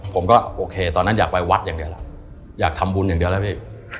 ผมก็โอเคตอนนั้นอยากไปวัดอย่างเดียวล่ะอยากทำบุญอย่างเดียวแล้วพี่